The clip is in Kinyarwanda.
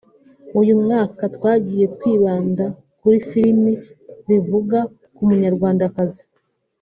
Uyu mwaka twagiye twibanda kuri filimi zivuga ku banyarwandakazi